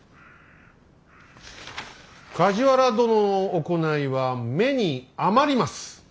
梶原殿の行いは目に余ります。